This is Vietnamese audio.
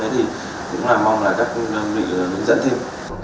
thì cũng là mong là các đơn vị hướng dẫn thêm